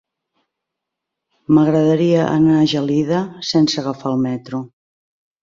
M'agradaria anar a Gelida sense agafar el metro.